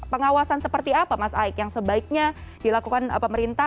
pengawasan seperti apa mas aik yang sebaiknya dilakukan pemerintah